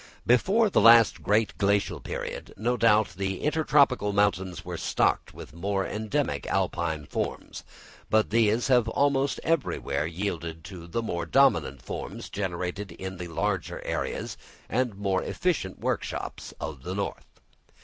Before the last great Glacial period, no doubt the intertropical mountains were stocked with endemic Alpine forms; but these have almost everywhere yielded to the more dominant forms generated in the larger areas and more efficient workshops of the north.